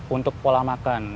untuk pola makan